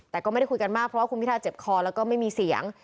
แต่ก็ไม่ได้คุยกันมากเพราะว่าคุณพิทาเจ็บคอแล้วก็ไม่มีเสียง